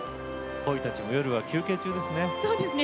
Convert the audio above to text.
鯉たちも夜は休憩中ですね。